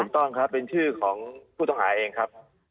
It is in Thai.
ถูกต้องครับเป็นชื่อของผู้ต้องหาเองครับ